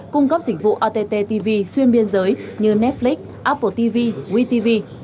cung cấp dịch vụ ott tv xuyên biên giới như netflix apple tv wetv